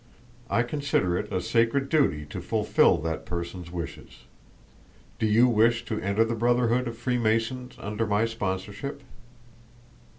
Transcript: I consider it a sacred duty to fulfill that person's wishes. Do you wish to enter the Brotherhood of Freemasons under my sponsorship?"